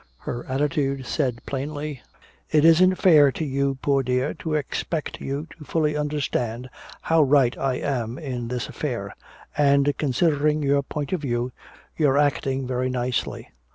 Her attitude said plainly, "It isn't fair to you, poor dear, to expect you to fully understand how right I am in this affair. And considering your point of view, you're acting very nicely."